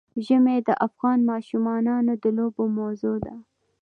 ژمی د افغان ماشومانو د لوبو موضوع ده.